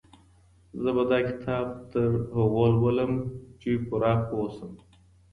زه به دا کتاب تر هغې لولم چي پوره پوه سم.